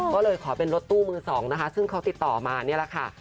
ก็เลยขอเป็นรถตู้มือสองนะคะซึ่งเขาติดต่อมานี่แหละค่ะ